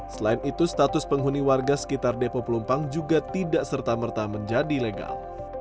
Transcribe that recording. selain itu status penghuni warga sekitar depo pelumpang juga tidak serta merta menjadi legal